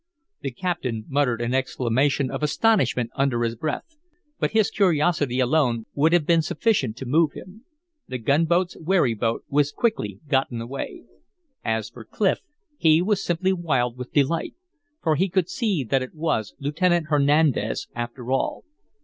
The captain muttered an exclamation of astonishment under his breath; but his curiosity alone would have been sufficient to move him. The gunboat's wherry boat was quickly gotten away. As for Clif, he was simply wild with delight. For he could see that it was Lieutenant Hernandez after all.